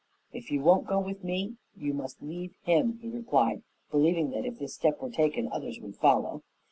"If you won't go with me you must leave him," he replied, believing that, if this step were taken, others would follow.